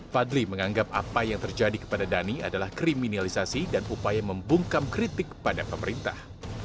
fadli menganggap apa yang terjadi kepada dhani adalah kriminalisasi dan upaya membungkam kritik pada pemerintah